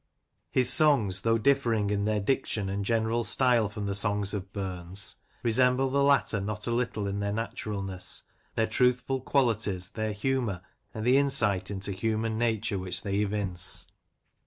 His songs, though differing in their diction and general style from the songs of Bums, resemble the latter not a little in their naturalness, their truthful qualities, their humour, and the insight into human nature which they evince.